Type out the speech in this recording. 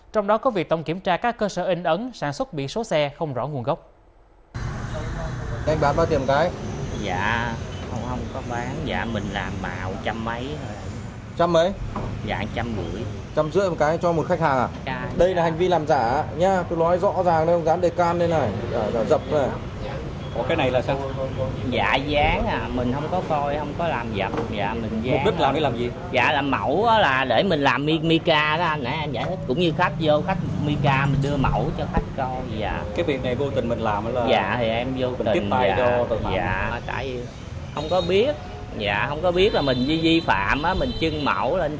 trong đó có việc tổng kiểm tra các cơ sở in ấn sản xuất bị số xe không rõ nguồn gốc